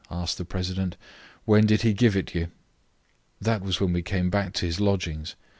asked the president. "When did he give it you?" "That was when we came back to his lodgings.